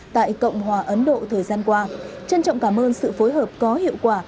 tại cộng hòa ấn độ thời gian qua trân trọng cảm ơn sự phối hợp có hiệu quả